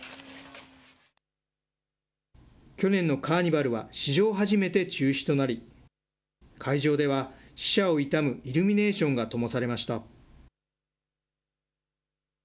去年のカーニバルは史上初めて中止となり、会場では死者を悼むイルミネーションがともされました。